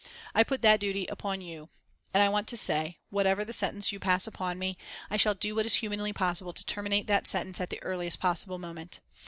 I put that duty upon you. And I want to say, _whatever the sentence you pass upon me, I shall do what is humanly possible to terminate that sentence at the earliest possible moment.